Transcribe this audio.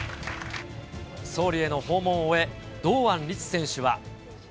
総理への訪問を終え、堂安律選手